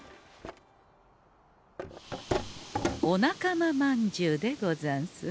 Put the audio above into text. お仲間まんじゅうでござんす。